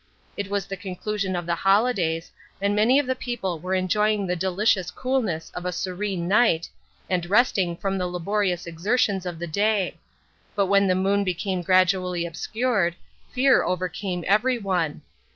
It was the conclusion of the holidays, and many of the people were enjoying the delicious coolness of a serene night, and resting from the laborious exertions of the day; but when the Moon became gradually obscured, fear overcame every one.